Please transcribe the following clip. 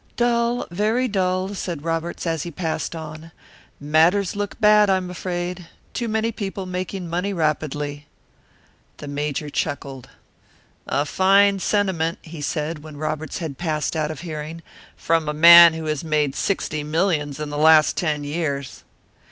"Dull, very dull," said Roberts, as he passed on. "Matters look bad, I'm afraid. Too many people making money rapidly." The Major chuckled. "A fine sentiment," he said, when Roberts had passed out of hearing "from a man who has made sixty millions in the last ten years!"